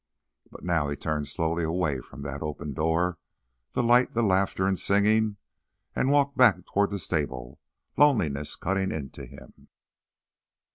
But now he turned slowly away from that open door, the light, the laughter and singing, and walked back toward the stable, loneliness cutting into him.